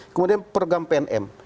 kemudian program pnm